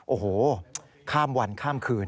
โอ้โหข้ามวันข้ามคืน